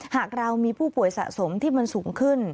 หากเรามีผู้ป่วยสะสมที่มันสูงขึ้น